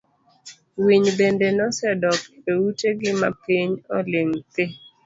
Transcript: Winy bende nosedok e ute gi mapiny oling' thiii.